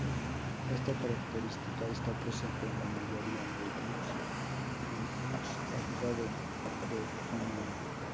Esta característica está presente en la mayoría de beat 'em ups arcade de Konami.